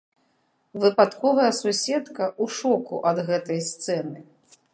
Выпадковая суседка ў шоку ад гэтай сцэны.